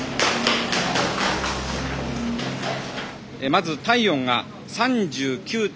まず体温が３９．２度。